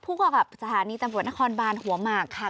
ผู้กำกับสถานีตำรวจนครบานหัวหมากค่ะ